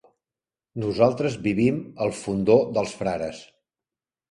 Nosaltres vivim al Fondó dels Frares.